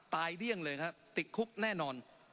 เลี่ยงเลยครับติดคุกแน่นอน